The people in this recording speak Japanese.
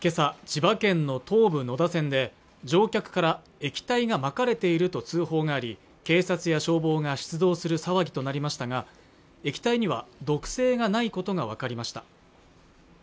千葉県の東武野田線で乗客から液体がまかれていると通報があり警察や消防が出動する騒ぎとなりましたが液体には毒性がないことが分かりました